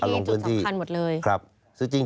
ลงพื้นที่ที่จุดสำคัญหมดเลย